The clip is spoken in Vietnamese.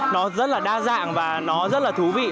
nó rất là đa dạng và nó rất là thú vị